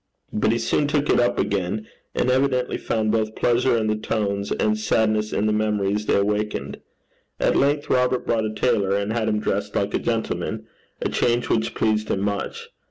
But he soon took it up again, and evidently found both pleasure in the tones and sadness in the memories they awakened. At length Robert brought a tailor, and had him dressed like a gentleman a change which pleased him much.